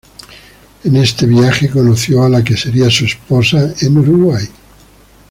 En este viaje conoció a la que sería su esposa, en Uruguay.